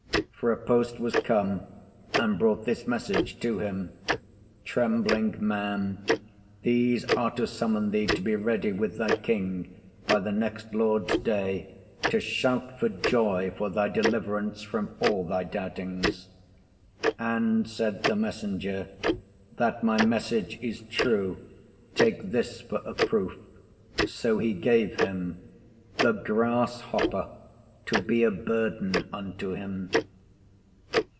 For a post was come, and brought this message to him, Trembling man, these are to summon thee to be ready with thy King by the next Lord's day, to shout for joy for thy deliverance from all thy doubtings. And said the messenger, That my message is true, take this for a proof; so he gave him "The grasshopper to be a burden unto him."